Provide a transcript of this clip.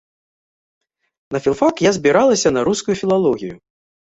На філфак я збіралася на рускую філалогію.